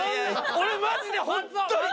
俺マジでホントに。